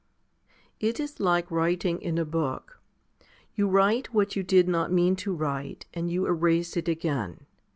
6. It is like writing in a book. You write what you did not mean to write, and you erase it again.